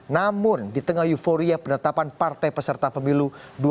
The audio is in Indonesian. namun di tengah euforia penetapan partai peserta pemilu dua ribu sembilan belas